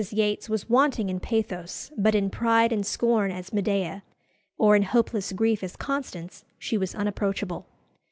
Yates was wanting in pathos, but in pride and scorn as Medea, or in hopeless grief as Constance, she was unapproachable.